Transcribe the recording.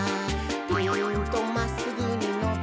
「ピーンとまっすぐにのばして」